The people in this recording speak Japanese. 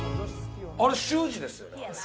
あれ習字ですよね？